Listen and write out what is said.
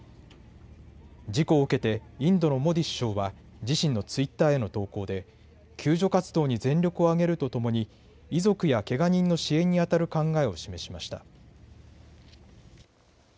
事故を受けてインドのモディ首相は自身のツイッターへの投稿で救助活動に全力を挙げるとともに遺族やけが人の支援に当たる考えを示しました。